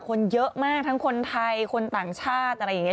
คนเยอะมากทั้งคนไทยคนต่างชาติอะไรอย่างนี้